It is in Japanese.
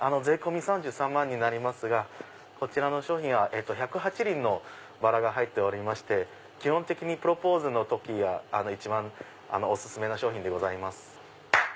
税込み３３万になりますがこちらの商品は１０８輪のバラが入っておりまして基本的にプロポーズの時が一番お薦めな商品でございます。